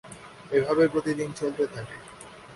এভাবে প্রতিদিন চলতে থাকে।